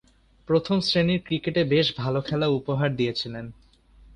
প্রথম-শ্রেণীর ক্রিকেটে বেশ ভালো খেলা উপহার দিয়েছিলেন।